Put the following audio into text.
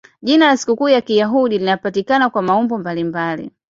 Jina la sikukuu ya Kiyahudi linapatikana kwa maumbo mbalimbali.